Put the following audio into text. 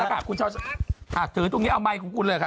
อ้ะคุณเช้าถึงตรงนี้เอาไหมพี่กุ้นเลยค่ะ